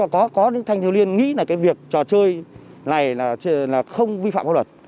có những thanh thiếu liên nghĩ là cái việc trò chơi này là không vi phạm pháp luật